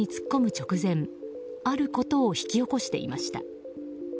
直前あることを引き起こしていました。